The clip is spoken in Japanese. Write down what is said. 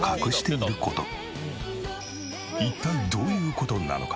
一体どういう事なのか？